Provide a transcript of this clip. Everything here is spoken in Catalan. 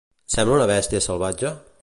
Sembla una bèstia salvatge?